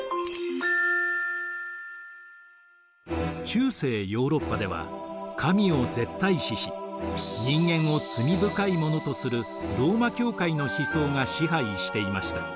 中世ヨーロッパでは神を絶対視し人間を罪深いものとするローマ教会の思想が支配していました。